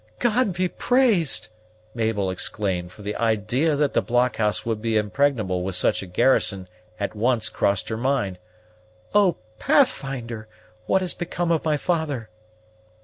"God be praised!" Mabel exclaimed, for the idea that the blockhouse would be impregnable with such a garrison at once crossed her mind. "O Pathfinder! what has become of my father?"